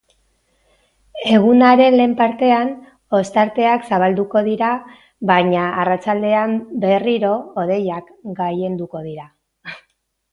Egunaren lehen partean, ostarteak zabalduko dira baina arratsaldean berriro hodeiak gailenduko dira.